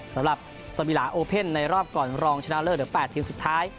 สำหรับสมีหลาในรอบก่อนรองชนะเลอร์เดือร์แปดทีมสุดท้าย